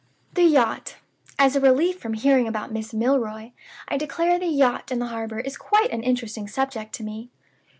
"The yacht. As a relief from hearing about Miss Milroy, I declare the yacht in the harbor is quite an interesting subject to me!